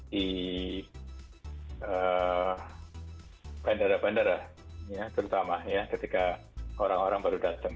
di bandara bandara terutama ya ketika orang orang baru datang